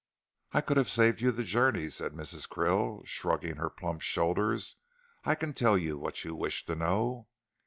"I could have saved you the journey," said Mrs. Krill, shrugging her plump shoulders. "I can tell you what you wish to know."